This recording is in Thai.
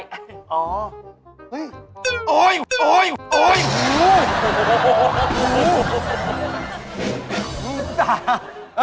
ฉันเป็นยันไอ